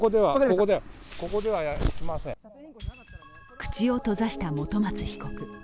口を閉ざした本松被告。